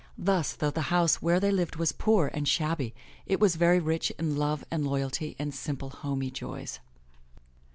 Thus, though the house where they lived was poor and shabby, it was very rich in love and loyalty and simple homey joys.